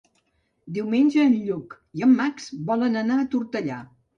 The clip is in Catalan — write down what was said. Diumenge en Lluc i en Max volen anar a Tortellà.